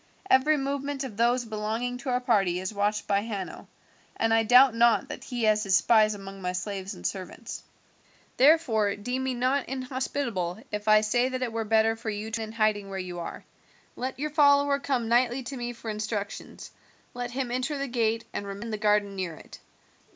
Every movement of those belonging to our party is watched by Hanno, and I doubt not that he has his spies among my slaves and servants. "Therefore deem me not inhospitable if I say that it were better for you to remain in hiding where you are. Let your follower come nightly to me for instructions; let him enter the gate and remain in the garden near it.